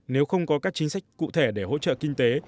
nếu không có các chính sách cụ thể để hỗ trợ kinh tế